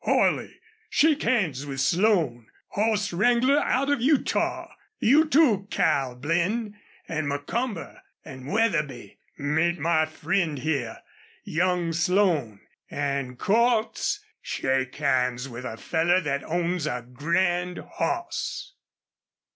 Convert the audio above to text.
"Holley, shake hands with Slone, hoss wrangler out of Utah.... You, too, Cal Blinn.... An' Macomber an' Wetherby, meet my friend here young Slone.... An', Cordts, shake hands with a feller thet owns a grand hoss!"